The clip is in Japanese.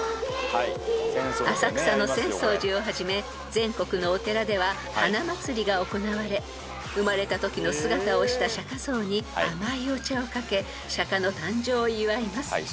［全国のお寺では花まつりが行われ生まれたときの姿をした釈迦像に甘いお茶をかけ釈迦の誕生を祝います］